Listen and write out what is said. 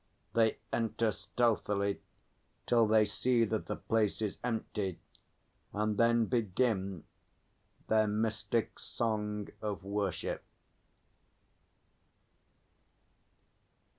They enter stealthily till they see that the place is empty, and then begin their mystic song of worship.